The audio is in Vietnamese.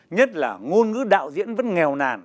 nhất là ngôn ngữ đạo diễn vẫn nghèo nàn